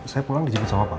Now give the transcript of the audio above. saya pulang dijemput sama pak